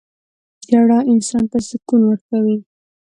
• ژړا انسان ته سکون ورکوي.